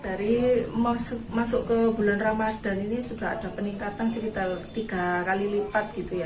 dari masuk ke bulan ramadan ini sudah ada peningkatan sekitar tiga kali lipat gitu ya